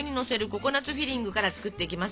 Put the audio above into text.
ココナツフィリングから作っていきます。